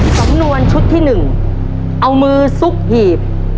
สำนวนชุดที่๑เอามือซุกหีบ